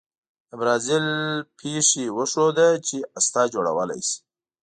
د برازیل پېښې وښوده چې هسته جوړولای شي.